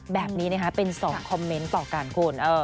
แบบนี้นะคะเป็น๒คอมเมนต์ต่อกันคุณ